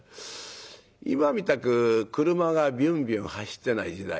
今みたく車がビュンビュン走ってない時代